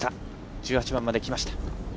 １８番まできました。